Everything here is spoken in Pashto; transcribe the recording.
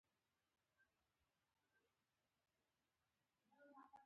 يو عسکر راغی.